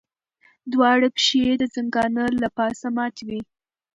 دواړه پښې یې د ځنګانه له پاسه ماتې وې.